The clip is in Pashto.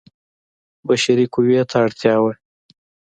بشري قوې ته اړتیا وه.